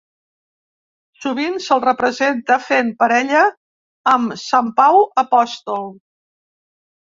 Sovint se'l representa fent parella amb Sant Pau apòstol.